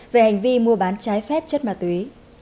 về hành vi mua bán trái phép chất ma túy